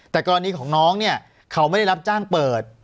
แต่กรณีของน้องเนี่ยเขาไม่ได้รับจ้างเปิด